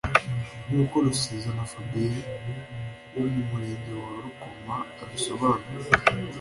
nkuko Rusizana Fabien wo mu murenge wa Rukoma abisobanura